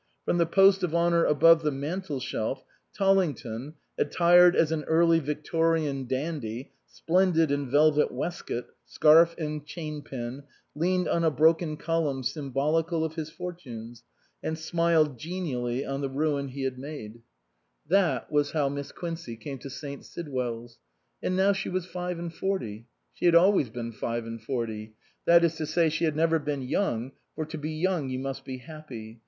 From the post of honour above the mantelshelf, Tollington, attired as an Early Victorian dandy, splendid in velvet waistcoat, scarf and chain pin, leaned on a broken column symbolical of his fortunes, and smiled genially on the ruin he had made. 216 HOUSEHOLD GODS That was how Miss Quincey came to St. Sidwell's. And now she was five and forty ; she had always been five and forty ; that is to say, she had never been young, for to be young you must be happy.